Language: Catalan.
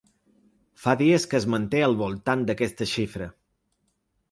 Fa dies que es manté al voltant d’aquesta xifra.